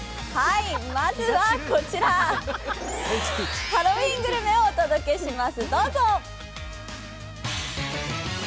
まずはこちらハロウィーングルメをお届けします。